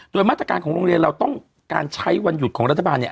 โดยมาตรการของโรงเรียนเราต้องการใช้วันหยุดของรัฐบาลเนี่ย